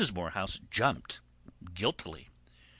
Morehouse jumped, guiltily.